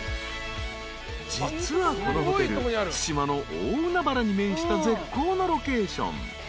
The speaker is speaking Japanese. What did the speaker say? ［実はこのホテル対馬の大海原に面した絶好のロケーション］